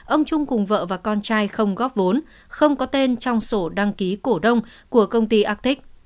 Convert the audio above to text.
ông trung cùng vợ và con trai không góp vốn không có tên trong sổ đăng ký cổ đông của công ty actic